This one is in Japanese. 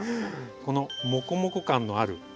このもこもこ感のある葉っぱ。